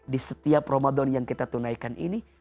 di setiap ramadan yang kita tunaikan ini